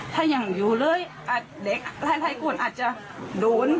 ถ้ายังอยู่เลยหลายขวดอาจจะโดน